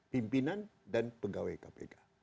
pimpinan dan pegawai kpk